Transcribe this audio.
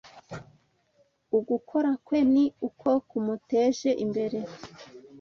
Ugukora kwe ni uko kumuteje imbere